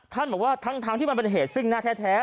บอกว่าทั้งที่มันเป็นเหตุซึ่งหน้าแท้